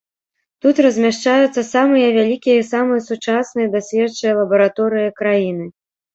Тут размяшчаюцца самыя вялікія і самыя сучасныя даследчыя лабараторыі краіны.